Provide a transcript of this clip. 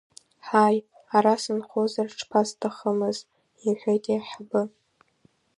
Ҳаи, ара сынхозар шԥасҭахымыз, — иҳәеит аиҳабы.